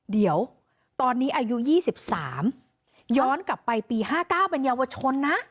เดี๋ยวตอนนี้อายุ๒๓ย้อนกลับไปปี๕๙เป็นเยาวชนนะ